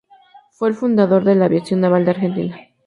Fue el fundador de la Aviación Naval de Argentina.